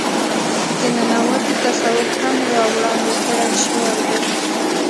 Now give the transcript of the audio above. د ننواتې تصور هم را وړاندې کړے شوے دے.